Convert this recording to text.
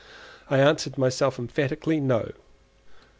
I answered myself emphatically, no.